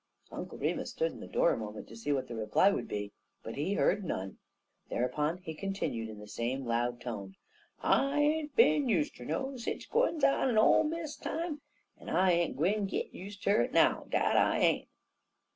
Uncle Remus stood in the door a moment to see what the reply would be, but he heard none. Thereupon he continued, in the same loud tone: "I ain't bin use ter no sich gwines on in Ole Miss time, en I ain't gwine git use ter it now. Dat I ain't."